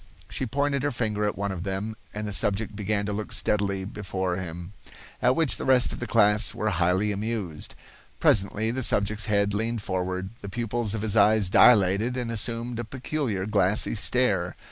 She pointed her finger at one of them, and the subject began to look steadily before him, at which the rest of the class were highly amused. Presently the subject's head leaned forward, the pupils of his eyes dilated and assumed a peculiar glassy stare.